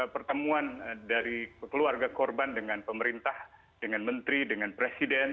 pertemuan dari keluarga korban dengan pemerintah dengan menteri dengan presiden